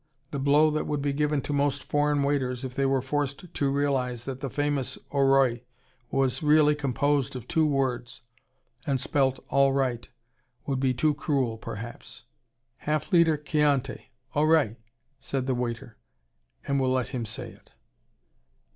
The blow that would be given to most foreign waiters, if they were forced to realize that the famous orye was really composed of two words, and spelt all right, would be too cruel, perhaps. "Half litre Chianti. Orye," said the waiter. And we'll let him say it.